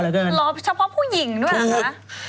รอเฉพาะผู้หญิงด้วยเหรอคะ